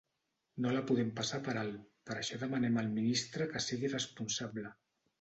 No la podem passar per alt, per això demanem al ministre que sigui responsable.